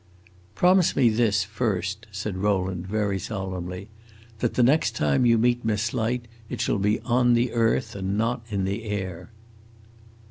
"Promise me this, first," said Rowland, very solemnly: "that the next time you meet Miss Light, it shall be on the earth and not in the air."